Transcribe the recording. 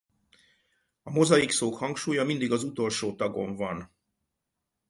A mozaikszók hangsúlya mindig az utolsó tagon van.